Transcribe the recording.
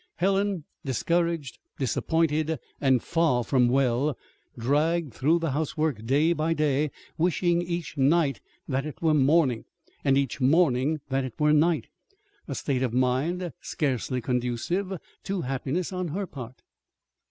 Helen, discouraged, disappointed, and far from well, dragged through the housework day by day, wishing each night that it were morning, and each morning that it were night a state of mind scarcely conducive to happiness on her part.